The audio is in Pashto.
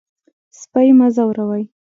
سپي مه ځوروئ.